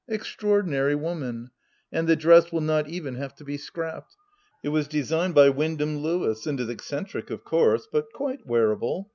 Extraordinary woman ! And the dress will not even have to be scrapped. It was designed by Wyndham Lewis, and is eccentric, of course, but quite wearable.